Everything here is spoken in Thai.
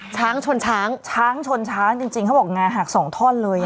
ช้างชนช้างช้างชนช้างจริงเขาบอกงาหักสองท่อนเลย